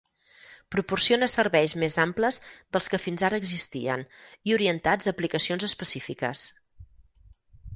Proporciona serveis més amples dels que fins ara existien i orientats a aplicacions específiques.